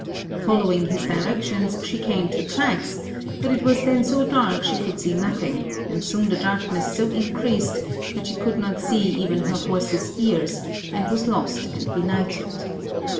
Following his directions she came to tracks, but it was then so dark she could see nothing, and soon the darkness so increased that she could not see even her horse's ears, and was lost and benighted.